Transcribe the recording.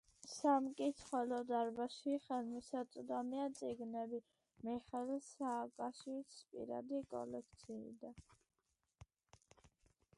სამკითხველო დარბაზში ხელმისაწვდომია წიგნები მიხეილ სააკაშვილის პირადი კოლექციიდან.